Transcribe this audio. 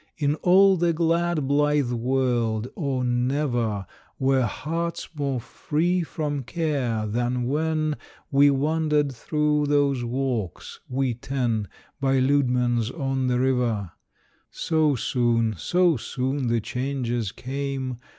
In all the glad blithe world, oh, never Were hearts more free from care than when We wandered through those walks, we ten, By Leudemann's on the River. So soon, so soon, the changes came.